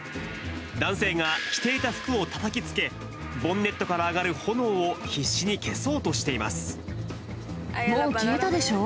男性が着ていた服をたたきつけ、ボンネットから上がる炎を必死にもう消えたでしょ？